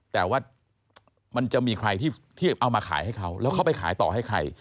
แต่ว่ามันจะมีใครที่เอามาขายให้เขาแล้วเขาไปขายต่อให้ใคร